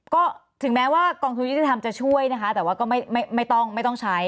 ก็ถึงแม้ว่ากองชูยืนธรรมจะช่วยนะคะแต่ว่าก็ไม่ต้องใช้